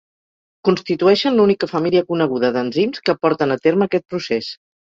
Constitueixen l'única família coneguda d'enzims que porten a terme aquest procés.